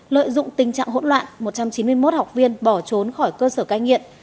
lợi dụng tình trạng hỗn loạn một trăm chín mươi một học viên bỏ trốn khỏi cơ sở cai nghiện